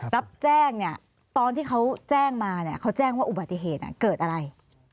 รับแจ้งเนี่ยตอนที่เขาแจ้งมาเนี่ยเขาแจ้งว่าอุบัติเหตุเกิดอะไร